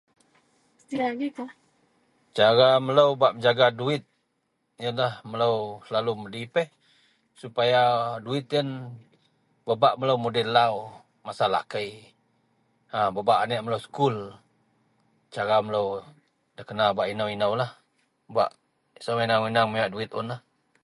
Cara melo bak menjaga duwit iyenlah melo selalu medipeh supaya duwit iyen bebak melo mudei lau masa lakei a bebak anek melo sekul cara melo da kena bak eno-eno da saweneng-wenang bak miwek duwit un.